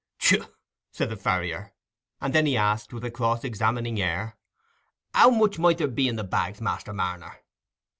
"Tchuh!" said the farrier. And then he asked, with a cross examining air, "How much money might there be in the bags, Master Marner?"